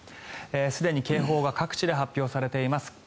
すでに警報が各地で発表されています。